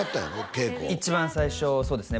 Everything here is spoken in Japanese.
稽古一番最初そうですね